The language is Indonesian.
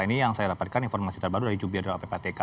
ini yang saya dapatkan informasi terbaru dari jubiadro ppatk